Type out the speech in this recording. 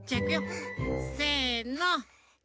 せの。